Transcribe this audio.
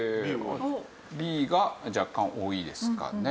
Ｂが若干多いですかね。